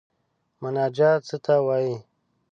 مناجات څه ته وايي.